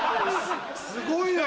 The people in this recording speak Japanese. すごいな。